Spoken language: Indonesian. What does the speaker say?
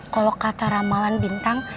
kalau kata ramalan bintang